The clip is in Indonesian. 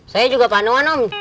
saya juga panuan om